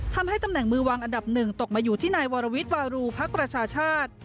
ทำให้ตำแหน่งมือวางอันดับหนึ่งตกมาอยู่ที่นายวรวิทย์วารูพักประชาชาติ